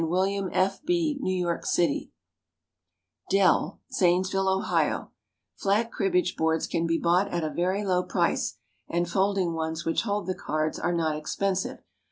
C. S., and William F. B., New York city. "DEL," Zanesville, Ohio. Flat cribbage boards can be bought at a very low price, and folding ones which hold the cards are not expensive.